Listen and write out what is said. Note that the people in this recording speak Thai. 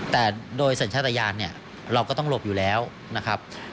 แต่โดยสัญชาติยานเนี่ยเราก็ต้องหลบอยู่แล้วนะครับ